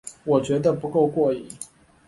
我觉得不够过瘾